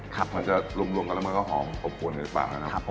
มันจะรวมแล้วมันก็หอมอบกวนในปากนะครับ